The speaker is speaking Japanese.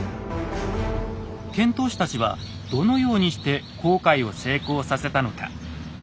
遣唐使たちはどのようにして航海を成功させたのか。